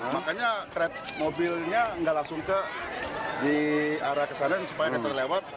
makanya keret mobilnya nggak langsung ke di arah kesana supaya kita lewat